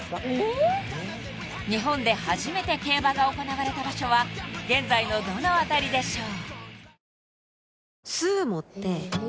［日本で初めて競馬が行われた場所は現在のどの辺りでしょう］